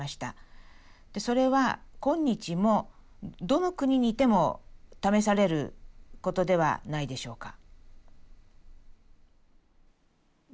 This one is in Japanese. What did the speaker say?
それは今日もどの国にいても試されることではないでしょうか？